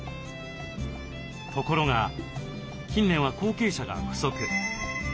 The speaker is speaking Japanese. ところが近年は後継者が不足。